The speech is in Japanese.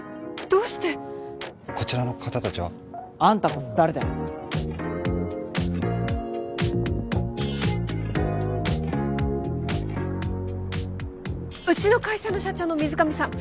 どうしてこちらの方達は？あんたこそ誰だようちの会社の社長の水上さん